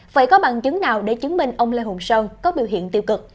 phải có bằng chứng nào để chứng minh ông lê hùng sơn có biểu hiện tiêu cực